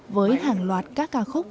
với hàng loạt các ca khúc